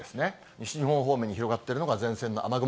西日本方面に広がっているのが、前線の雨雲。